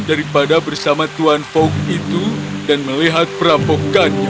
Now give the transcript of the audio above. daripada bersama tuan fog itu dan melihat perampokannya